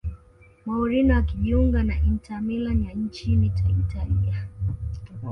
mourinho akajiunga na inter milan ya nchini italia